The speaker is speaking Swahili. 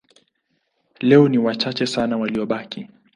Leo ni wachache sana waliobaki.